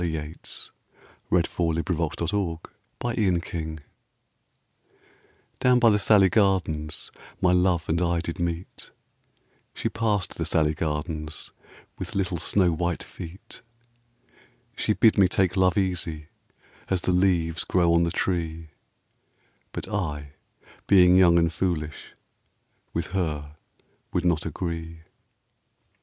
Yeats W. B. YEATS 241 DOWN BY THE SALLEY GARDENS DOWN by the salley gardens my love and I did meet ; She passed the salley gardens with little snow white feet. She bid me take love easy, as the leaves grow on the tree; But I, being young and foolish, with her would not agree.